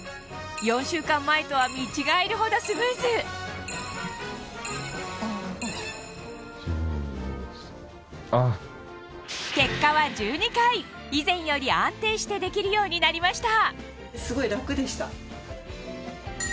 ４週間前とは見違えるほどスムーズ結果は１２回以前より安定してできるようになりました